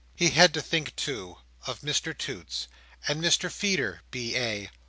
He had to think, too, of Mr Toots, and Mr Feeder, B.A.